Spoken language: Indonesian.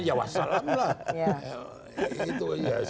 ya wassalam lah